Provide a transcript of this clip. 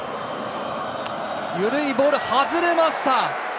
ゆるいボール、外れました。